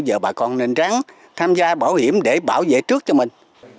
giờ bà con nên ráng tham gia bảo hiểm để bảo vệ trước cho mình